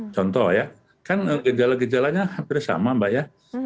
contoh ya kan gejala gejalanya hampir sama mbak ya